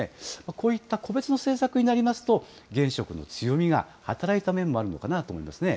こういった個別の政策になりますと、現職の強みが働いた面もあるのかなと思いますね。